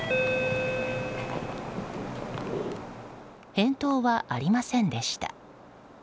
返答はありませんでした。